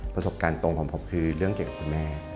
ประสบการณ์ตรงของผมคือเรื่องเกี่ยวกับคุณแม่